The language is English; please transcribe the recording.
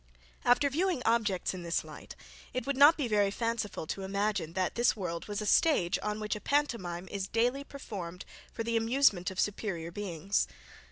After viewing objects in this light, it would not be very fanciful to imagine, that this world was a stage on which a pantomime is daily performed for the amusement of superiour beings.